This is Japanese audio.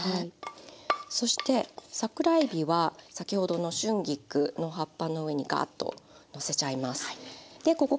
そして桜えびは先ほどの春菊の葉っぱの上にガーッとのせちゃいます。